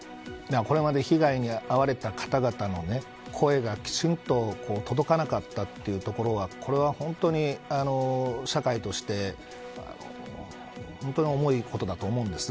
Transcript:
これまで被害に遭われた方々の声がきちんと届かなかったというところはこれは本当に社会として重いことだと思うんです。